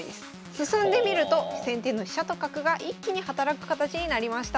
進んでみると先手の飛車と角が一気に働く形になりました。